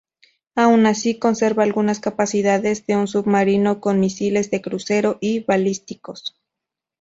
Aun así, conserva algunas capacidades de un Submarino con Misiles de Crucero y Balísticos.